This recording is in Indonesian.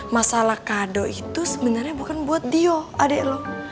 masalah kado itu sebenarnya bukan buat dio adik lho